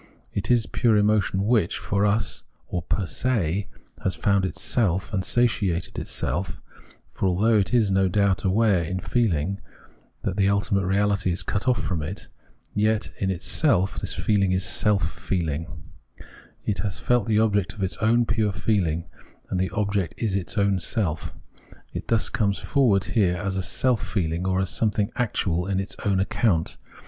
It is pure emotion which, for us or per se has found itself and satiated itself, for although it is, no doubt, aware in feehng that the ultimate reahty is cut off from it, yet in itself this feehng is self feeling ; it has felt the object of its own pure feehng, and this object is its own self. It thus com.es forward here as self feehng, or as something actual on its own account.